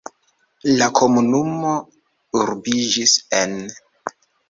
La komunumo urbiĝis en.